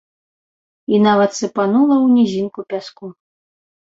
І нават сыпанула ў нізінку пяску.